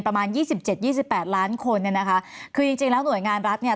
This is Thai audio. ประมาณ๒๗๒๘ล้านคนนะคะคือจริงแล้วหน่วยงานรัฐเนี่ย